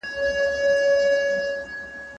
ښه ذهنیت بریالیتوب نه ځنډوي.